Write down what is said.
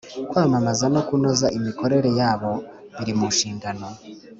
kwamamaza no kunoza imikorere yabo biri munshingano